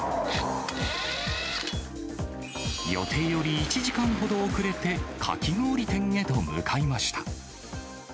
予定より１時間ほど遅れて、かき氷店へと向かいました。